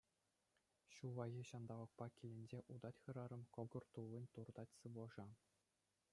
Ҫуллахи ҫанталӑкпа киленсе утать хӗрарӑм, кӑкӑр туллин туртать сывлӑша.